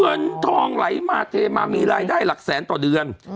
เงินทองไหลมาเทมามีรายได้หลักแสนต่อเดือน